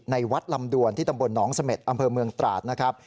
วัดลำดวนที่ตำบลหนองเสม็ดอำเภอเมืองตราดนะครับ